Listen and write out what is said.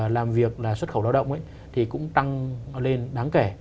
làm việc là xuất khẩu lao động thì cũng tăng lên đáng kể